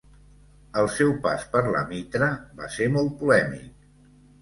El seu pas per la Mitra va ser molt polèmic.